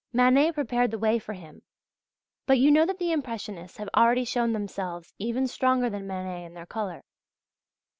Manet prepared the way for him; but you know that the Impressionists have already shown themselves even stronger than Manet in their colour.